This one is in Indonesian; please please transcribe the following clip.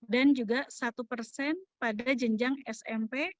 dan juga satu persen pada jenjang smp